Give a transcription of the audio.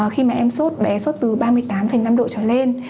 khi mà em sốt bé sốt từ ba mươi tám năm độ trở lên